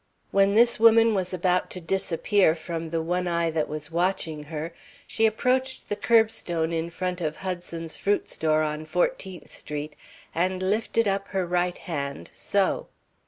When this woman was about to disappear from the one eye that was watching her, she approached the curbstone in front of Hudson's fruit store on 14th Street and lifted up her right hand, so.